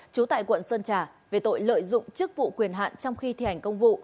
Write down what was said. trú tại quận sơn trà về tội lợi dụng chức vụ quyền hạn trong khi thi hành công vụ